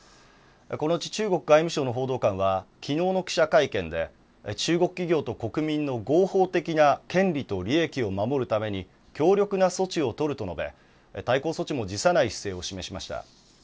このうち中国外務省の報道官はきのうの記者会見で中国企業と国民の合法的な権利と利益を守るために強力な措置を取ると述べ対抗措置も辞さない姿勢を示しました。